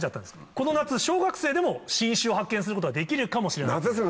この夏小学生でも新種を発見することができるかもしれない。